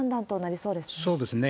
そうですね。